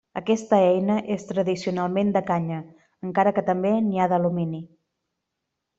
Aquesta eina és tradicionalment de canya, encara que també n'hi ha d'alumini.